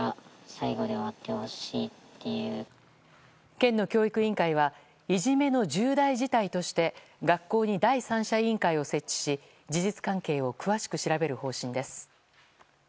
県の教育委員会はいじめの重大事態として学校に第三者委員会を設置し事実関係を詳しく調べる方針です。